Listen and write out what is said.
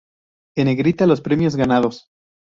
En negrita los premios ganados.